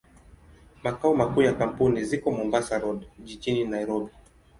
Makao makuu ya kampuni ziko Mombasa Road, jijini Nairobi.